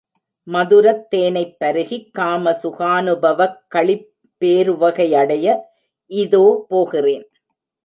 மதுரத் தேனைப் பருகிக் காம சுகானுபவக் களிபேருவகையடைய இதோ போகிறேன்.